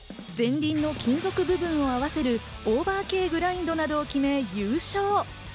前輪の金属部分を合わせる、オーバーＫグラインドなどを決め、優勝。